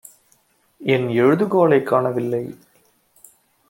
என் எழுதுகோலைக் காணவில்லை.